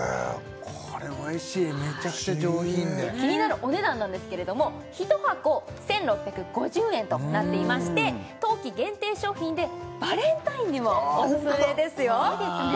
これおいしいめちゃくちゃ上品で気になるお値段なんですけれども１箱１６５０円となっていまして冬季限定商品でバレンタインにもオススメですよいいですね